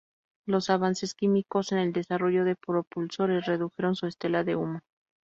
Los avances químicos en el desarrollo de propulsores redujeron su estela de humo.